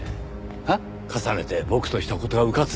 重ねて僕とした事がうかつでした。